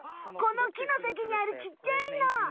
この木のさきにあるちっちゃいの。